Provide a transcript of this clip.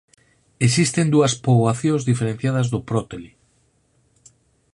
Existen dúas poboacións diferenciadas do prótele.